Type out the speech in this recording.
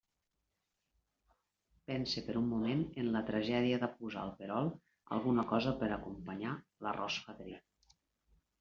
Pense per un moment en la tragèdia de posar al perol alguna cosa per a acompanyar l'arròs fadrí.